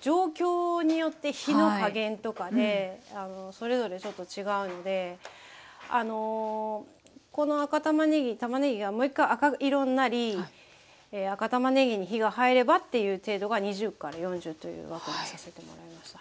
状況によって火の加減とかでそれぞれちょっと違うのでこの赤たまねぎたまねぎがもう一回赤色になり赤たまねぎに火が入ればっていう程度が２０４０という枠にさせてもらいました。